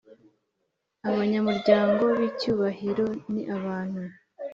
abanyamuryango b icyubahro ni abantu